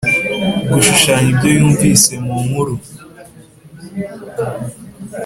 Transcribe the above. gushushanya ibyo yumvise mu nkuru.